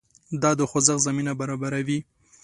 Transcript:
دا د خوځښت زمینه برابروي.